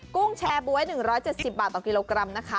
กุ้งแชร์บ๊วย๑๗๐บาทต่อกิโลกรัมนะคะ